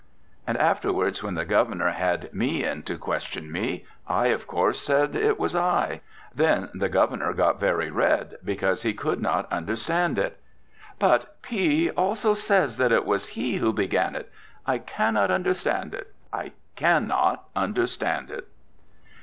And afterwards when the Governor had me in to question me, I, of course, said it was I. Then the Governor got very red because he could not understand it. "But P also says that it was he who began it. I cannot understand it. I cannot understand it."